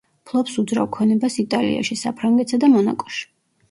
ფლობს უძრავ ქონებას იტალიაში, საფრანგეთსა და მონაკოში.